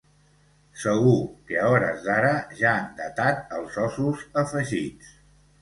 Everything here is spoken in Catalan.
Segur que a hores d'ara ja han datat els ossos afegits.